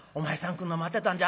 来んの待ってたんじゃ。